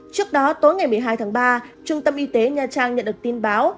trước đó tối ngày một mươi hai tháng ba trung tâm y tế nha trang nhận được tin báo